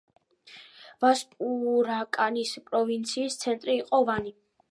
ვასპურაკანის პროვინციის ცენტრი იყო ვანი.